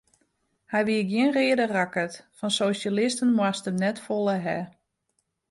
Hy wie gjin reade rakkert, fan sosjalisten moast er net folle hawwe.